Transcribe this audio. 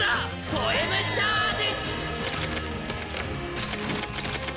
ポエム・チャージ！